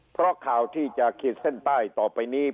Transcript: เพราะข่าวที่จะขีดเส้นใต้ต่อไปนี้